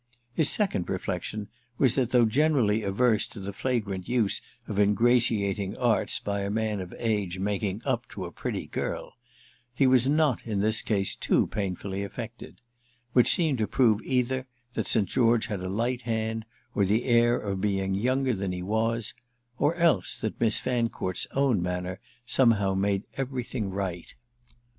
His second reflexion was that, though generally averse to the flagrant use of ingratiating arts by a man of age "making up" to a pretty girl, he was not in this case too painfully affected: which seemed to prove either that St. George had a light hand or the air of being younger than he was, or else that Miss Fancourt's own manner somehow made everything right.